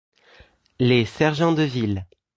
Les sergents de ville